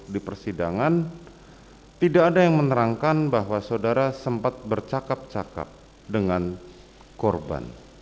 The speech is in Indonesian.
di persidangan tidak ada yang menerangkan bahwa saudara sempat bercakap cakap dengan korban